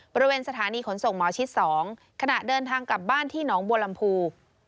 บริเวณสถานีขนส่งหมอชิด๒ขณะเดินทางกลับบ้านที่หนองบัวลำพู